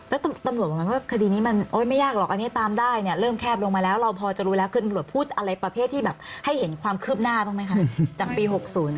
แล้วตำรวจบอกไหมว่าคดีนี้มันไม่ยากหรอกอันนี้ตามได้เนี่ยเริ่มแคบลงมาแล้วเราพอจะรู้แล้วคือตำรวจพูดอะไรประเภทที่แบบให้เห็นความคืบหน้าบ้างไหมคะจากปี๖๐